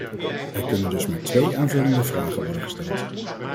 Er kunnen dus maar twee aanvullende vragen worden gesteld.